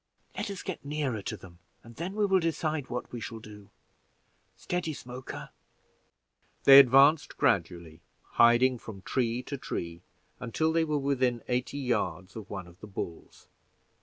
"Let us get nearer to them, and then we will decide what we shall do. Steady, Smoker!" They advanced gradually, hiding from tree to tree, until they were within eighty yards of one of the bulls.